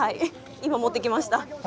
今、持ってきました。